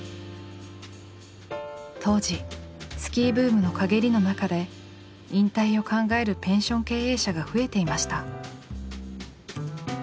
当時スキーブームの陰りの中で引退を考えるペンション経営者が増えていました。